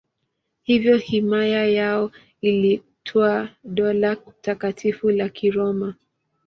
Hivyo himaya yao iliitwa Dola Takatifu la Kiroma.